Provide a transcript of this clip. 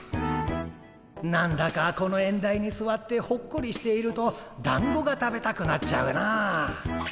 何だかこの縁台にすわってほっこりしているとだんごが食べたくなっちゃうな。